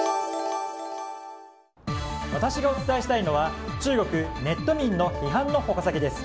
私がお伝えしたいのは中国ネット民の批判の矛先です。